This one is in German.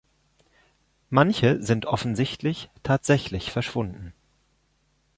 Manche sind offensichtlich tatsächlich verschwunden.